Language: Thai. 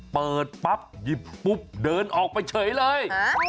เปิดปั๊บหยิบปุ๊บเดินออกไปเฉยเลย